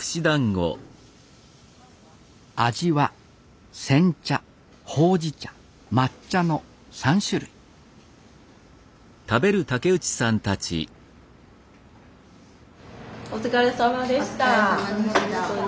味は煎茶ほうじ茶抹茶の３種類お疲れさまでした本当に。